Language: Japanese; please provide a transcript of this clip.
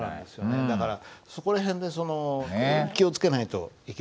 だからそこら辺でその気を付けないといけないんですよ。